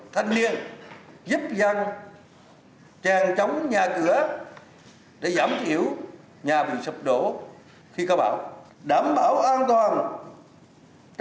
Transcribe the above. thanh niên giúp dân tràn trống nhà cửa để giảm thiểu nhà bị sụp đổ khi có bão đảm bảo an toàn cho